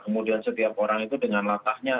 kemudian setiap orang itu dengan latahnya